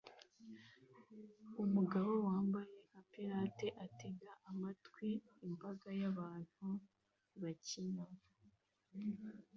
Umugabo wambaye nka Pirate atega amatwi imbaga y'abantu bakina